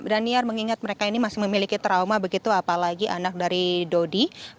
daniar mengingat mereka ini masih memiliki trauma begitu apalagi anak dari dodi